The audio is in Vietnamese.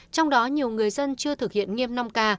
trong đó nhiều người dân chưa thực hiện nghiêm năm k